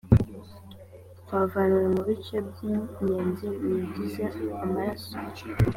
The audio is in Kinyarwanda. twavanywe mu bice by’ingenzi bigize amaraso